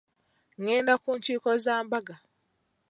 Ngenda ku nkiiko za mbaga.